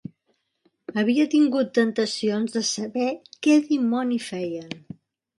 Havia tingut tentacions de saber què dimoni feien